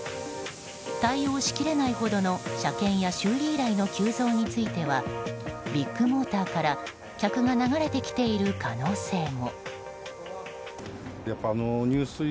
対応しきれないほどの車検や修理依頼の急増についてはビッグモーターから客が流れてきている可能性も。